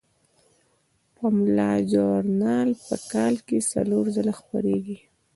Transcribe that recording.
پملا ژورنال په کال کې څلور ځله خپریږي.